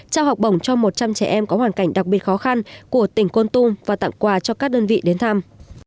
trao học bổng cho một trăm linh trẻ em có hoàn cảnh đặc biệt khó khăn của tỉnh con tum và tặng quà cho các đơn vị đến thăm